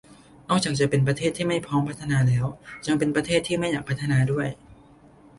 นอกจากจะเป็นประเทศไม่พร้อมจะพัฒนาแล้วยังเป็นประเทศที่ไม่อยากพัฒนาด้วย